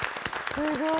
すごい。